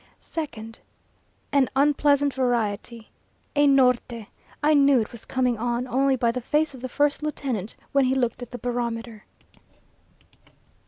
2nd. An unpleasant variety a Norte! I knew it was coming on, only by the face of the first lieutenant when he looked at the barometer.